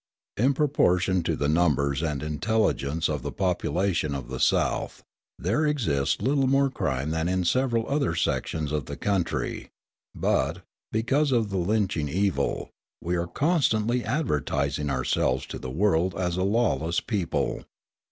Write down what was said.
In proportion to the numbers and intelligence of the population of the South, there exists little more crime than in several other sections of the country; but, because of the lynching evil, we are constantly advertising ourselves to the world as a lawless people.